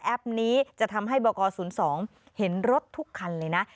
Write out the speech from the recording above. นี้จะทำให้บก๐๒เห็นรถทุกคันเลยนะ